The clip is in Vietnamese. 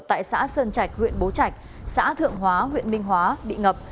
tại xã sơn trạch huyện bố trạch xã thượng hóa huyện minh hóa bị ngập